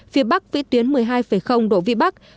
phía bắc vị tuyến một mươi hai độ vị bắc